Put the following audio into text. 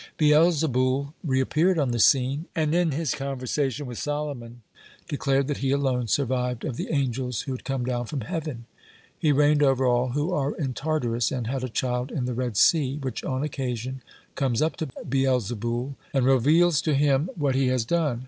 Beelzeboul reappeared on the scene, and in his conversation with Solomon declared that he alone survived of the angels who had come down from heaven. He reigned over all who are in Tartarus, and had a child in the Red Sea, which on occasion comes up to Beelzeboul and reveals to him what he has done.